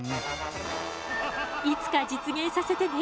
いつか実現させてね。